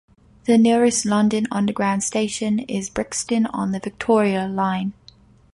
The nearest London Underground station is Brixton on the Victoria line.